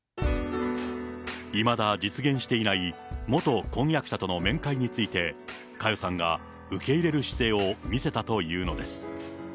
いまだ、実現していない元婚約者との面会について、佳代さんが受け入れる姿勢を見せたというのです。